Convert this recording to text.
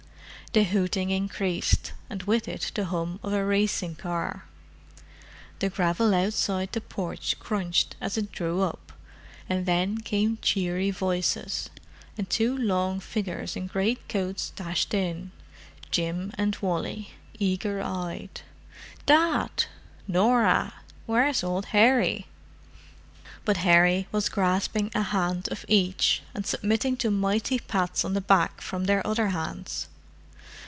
The hooting increased, and with it the hum of a racing car. The gravel outside the porch crunched as it drew up; and then came cheery voices, and two long figures in great coats dashed in: Jim and Wally, eager eyed. "Dad! Norah! Where's old Harry?" But Harry was grasping a hand of each, and submitting to mighty pats on the back from their other hands.